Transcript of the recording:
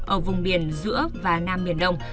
ở vùng biển giữa và nam biển đông